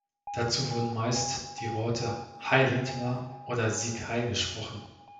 Dazu wurden meist die Worte „Heil Hitler“ oder „Sieg Heil“ gesprochen.